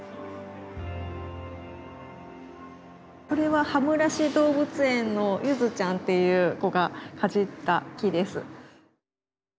これは羽村市動物園のゆずちゃんっていう子がかじった木です。